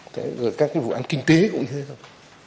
thế rồi các cái vụ án kinh tế cũng như thế rồi